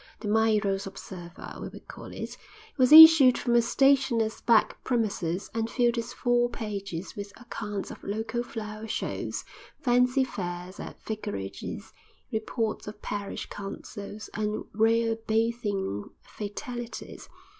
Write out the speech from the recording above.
The Meiros Observer (we will call it) was issued from a stationer's back premises, and filled its four pages with accounts of local flower shows, fancy fairs at vicarages, reports of parish councils, and rare bathing fatalities.